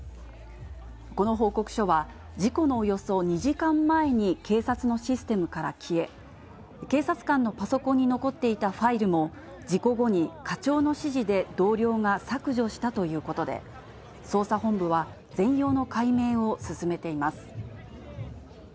この報告書は、事故のおよそ２時間前に警察のシステムから消え、警察官のパソコンに残っていたファイルも、事故後に課長の指示で同僚が削除したということで、捜査本部は、全容の解明を進めています。